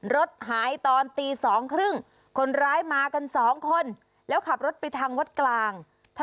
รถหายตอนตี๒๓๐คนร้ายมากัน๒คน